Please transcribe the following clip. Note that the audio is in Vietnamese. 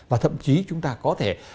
và thậm chí chúng ta có thể